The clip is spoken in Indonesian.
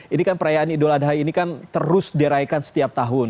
ini kan perayaan idul adha ini kan terus diraikan setiap tahun